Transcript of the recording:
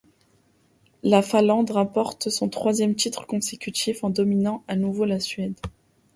La Finlande remporte son troisième titre consécutif en dominant à nouveau la Suède.